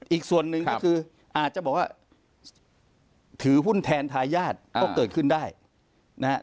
อีกส่วนหนึ่งก็คืออาจจะบอกว่าถือหุ้นแทนทายาทก็เกิดขึ้นได้นะฮะ